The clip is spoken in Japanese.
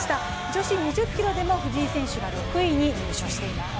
女子２０ｋｍでも藤井選手が６位に入賞しています。